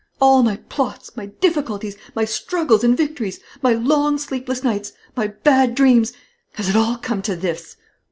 All my plots, my difficulties, my struggles and victories, my long sleepless nights, my bad dreams, has it all come to this?